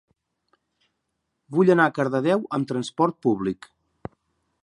Vull anar a Cardedeu amb trasport públic.